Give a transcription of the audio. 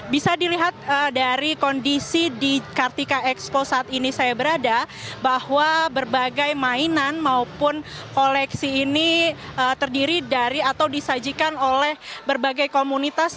bisa dilihat dari kondisi di kartika expo saat ini saya berada bahwa berbagai mainan maupun koleksi ini terdiri dari atau disajikan oleh berbagai komunitas